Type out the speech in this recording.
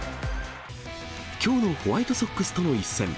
きょうのホワイトソックスとの一戦。